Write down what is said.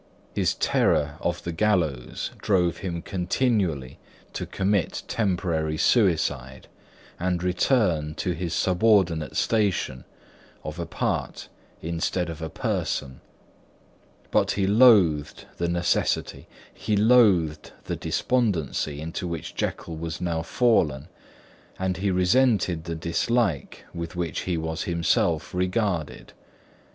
His terror of the gallows drove him continually to commit temporary suicide, and return to his subordinate station of a part instead of a person; but he loathed the necessity, he loathed the despondency into which Jekyll was now fallen, and he resented the dislike with which he was himself regarded.